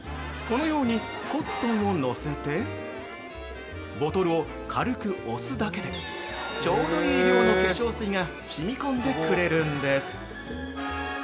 このようにコットンをのせてボトルを軽く押すだけでちょうどいい量の化粧水がしみ込んでくれるんです。